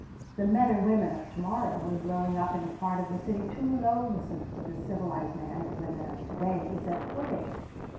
The men and women of tomorrow were growing up in a part of the city too loathsome for the civilized man and woman of today to set foot in.